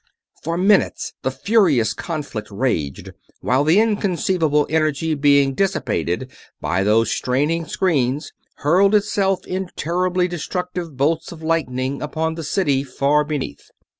For minutes the furious conflict raged, while the inconceivable energy being dissipated by those straining screens hurled itself in terribly destructive bolts of lightning upon the city far beneath.